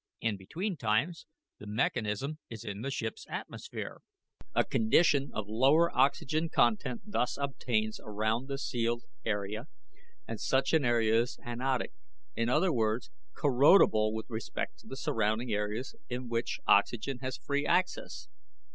In between times, the mechanism is in the ship's atmosphere. A condition of lower oxygen content thus obtains around the sealed off area, and such an area is anodic in other words, corrodible with respect to the surrounding areas in which oxygen has free access.